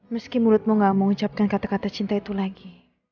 meski mulutmu gak mengucapkan kata kata cinta itu lagi